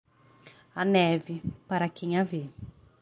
A neve, para quem a vê.